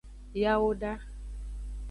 Yawoda.